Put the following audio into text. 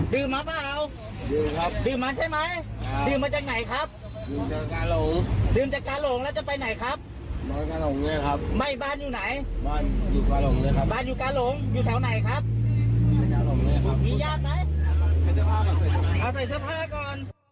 ดูประตูไว่ก่อน